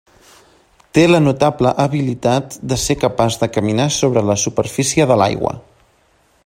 Té la notable habilitat de ser capaç de caminar sobre la superfície de l'aigua.